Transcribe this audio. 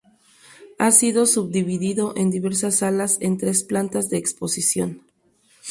Ha sido subdividido en diversas salas en tres plantas de exposición.